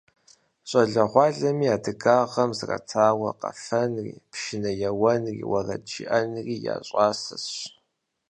ЩӀалэгъуалэми адыгагъэм зратауэ къэфэнри, пшынэ еуэнри, уэрэд жыӀэнри я щӀасэщ.